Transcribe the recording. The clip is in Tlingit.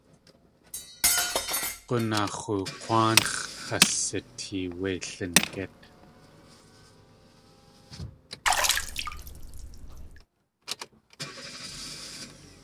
G̲unaax̲oo K̲wáanx̲ has sitee wé lingít.